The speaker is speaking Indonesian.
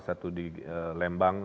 satu di lembang